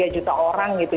tiga juta orang gitu